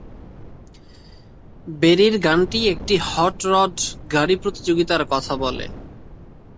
বেরির গানটি একটি hot rod গাড়ি প্রতিযোগিতার কথা বলে।